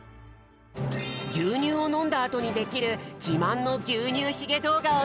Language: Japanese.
ぎゅうにゅうをのんだあとにできるじまんのぎゅうにゅうひげどうがをだ